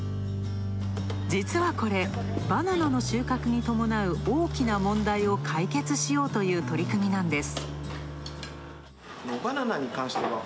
実は、これ、バナナの収穫に伴う大きな問題を解決しようという取り組みなんです。